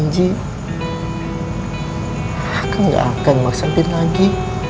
jangan janji lagi